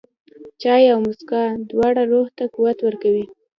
چای او موسکا، دواړه روح ته قوت ورکوي.